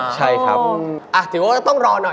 เจอไม่ต้องย่อ